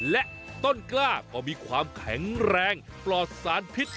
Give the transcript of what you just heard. และต้นกล้าก็มีความแข็งแรงปลอดสารพิษ